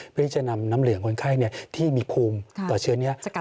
เพื่อที่จะนำน้ำเหลืองคนไข้ที่มีภูมิต่อเชื้อนี้